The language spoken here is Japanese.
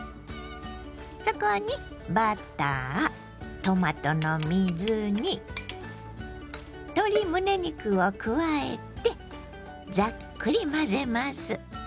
そこにバタートマトの水煮鶏むね肉を加えてざっくり混ぜます。